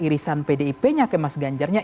irisan pdip nya ke mas ganjarnya